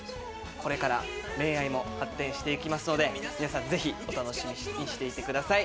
これから恋愛も発展していきますので、皆さんぜひお楽しみにしていてください。